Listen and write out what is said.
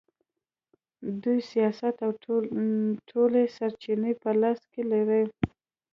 دوی سیاست او ټولې سرچینې په لاس کې لري.